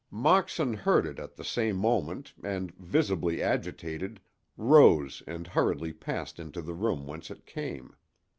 Moxon heard it at the same moment and, visibly agitated, rose and hurriedly passed into the room whence it came.